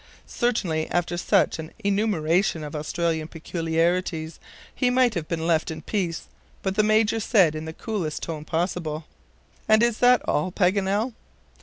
Certainly after such an enumeration of Australian peculiarities, he might have been left in peace but the Major said in the coolest tone possible: "And is that all, Paganel?"